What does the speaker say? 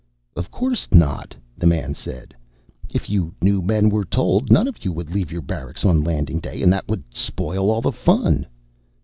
"Of course not," the man said. "If you new men were told, none of you would leave your barracks on Landing Day. And that would spoil all the fun."